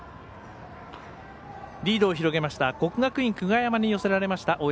リードを広げました国学院久我山に寄せられました